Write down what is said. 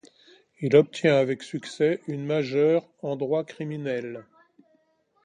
Il obtient avec succès une majeure en droit criminel.